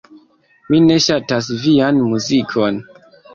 Mi ne ŝatas vian muzikon.